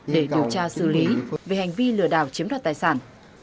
để điều tra xử lý về hành vi lừa đảo chiếm đoạt tài sản